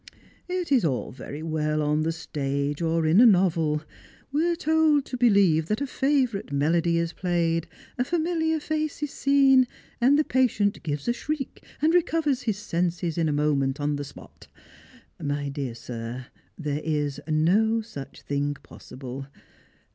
_ It is all very well on the stage or in a novel ; we are told to beUeve that a favourite melody is played, a fami liar face is seen, and the patient gives a shriek, and recovers his senses in a moment upon the sjiot. My dear sir, there is no such thing possible.